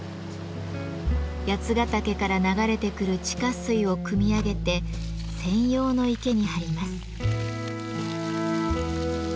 八ヶ岳から流れてくる地下水をくみ上げて専用の池に張ります。